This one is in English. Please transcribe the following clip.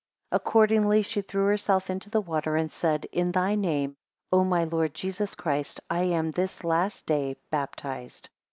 7 Accordingly she threw herself into the water, and said, In thy name, O my Lord Jesus Christ, I am this last day baptized.